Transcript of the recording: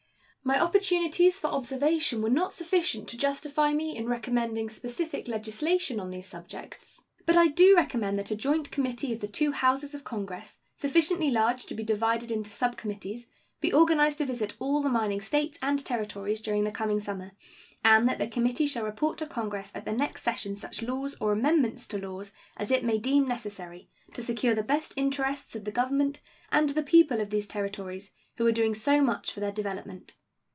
My opportunities for observation were not sufficient to justify me in recommending specific legislation on these subjects, but I do recommend that a joint committee of the two Houses of Congress, sufficiently large to be divided into subcommittees, be organized to visit all the mining States and Territories during the coming summer, and that the committee shall report to Congress at the next session such laws or amendments to laws as it may deem necessary to secure the best interests of the Government and the people of these Territories, who are doing so much for their development.